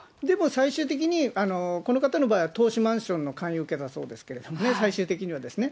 最終的に、この方の場合は投資マンションの勧誘受けたそうですけれどもね、最終的にはですね。